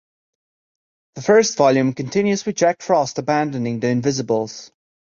The first volume continues with Jack Frost abandoning the Invisibles.